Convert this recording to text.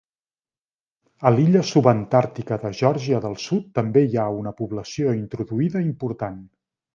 A l'illa subantàrtica de Geòrgia del Sud també hi ha una població introduïda important.